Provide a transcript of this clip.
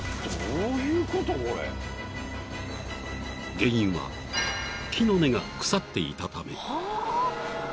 ［原因は木の根が腐っていたため］